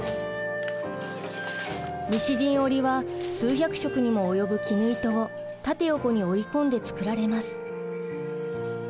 西陣織は数百色にも及ぶ絹糸を縦横に織り込んで作られます。